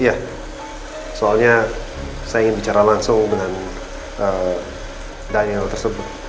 iya soalnya saya ingin bicara langsung dengan daniel tersebut